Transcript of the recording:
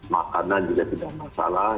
makanan juga tidak masalah